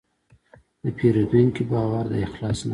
د پیرودونکي باور د اخلاص نښه ده.